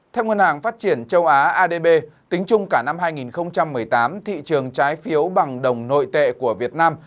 theo ngân hàng phát triển châu á adb tính chung cả năm hai nghìn một mươi tám thị trường trái phiếu bằng đồng nội tệ của việt nam